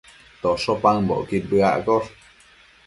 tosho paëmbocquid bëaccosh